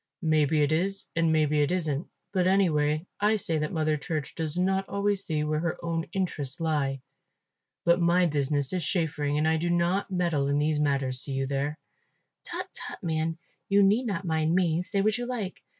"Maybe it is and maybe it isn't; but anyway I say that Mother Church does not always see where her own interests lie. But my business is chaffering and I do not meddle in these matters, see you there." "Tut, tut, man, you need not mind me, say what you like.